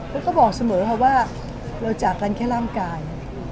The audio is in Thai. แล้วก็บอกเสมอค่ะว่าเราจากกันแค่ร่างกาย